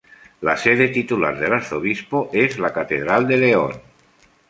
La sede titular del arzobispo es la Catedral de León.